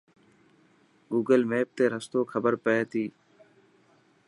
گوگل ميپ تي رستو خبر پئي تي.